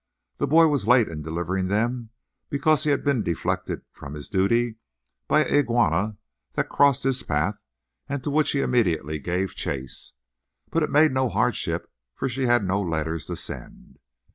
The boy was late in delivering them, because he had been deflected from his duty by an iguana that crossed his path and to which he immediately gave chase. But it made no hardship, for she had no letters to send.